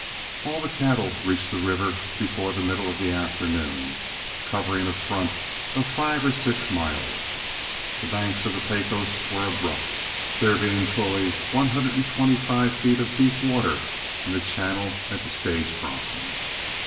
All the cattle reached the river before the middle of the afternoon, covering a front of five or six miles. The banks of the Pecos were abrupt, there being fully one hundred and twenty five feet of deep water in the channel at the stage crossing.